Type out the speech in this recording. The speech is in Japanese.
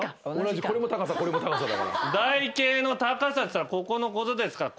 台形の高さっつったらここのことですから。